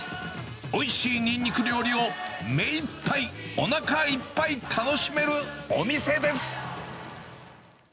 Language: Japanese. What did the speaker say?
おいしいニンニク料理をめいっぱい、おなかいっぱい楽しめるお店です。